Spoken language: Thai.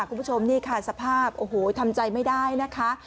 คุณผู้ชมนี่ค่ะสภาพโอ้โหทำใจไม่ได้นะคะ